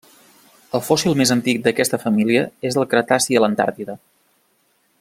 El fòssil més antic d'aquesta família és del Cretaci a l'Antàrtida.